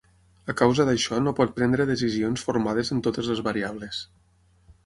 A causa d'això no pot prendre decisions formades amb totes les variables.